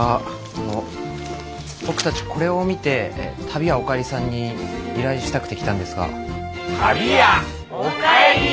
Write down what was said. あの僕たちこれを見て旅屋おかえりさんに依頼したくて来たんですが。